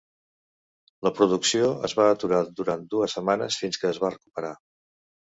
La producció es va aturar durant dues setmanes fins que es va recuperar.